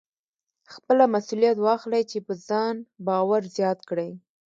خپله مسوليت واخلئ چې په ځان باور زیات کړئ.